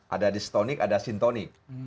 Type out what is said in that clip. ada distonik ada sintonik